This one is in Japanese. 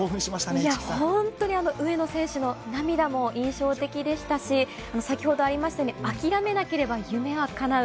いや、本当に上野選手の涙も印象的でしたし、先ほどありましたように、諦めなければ夢はかなう。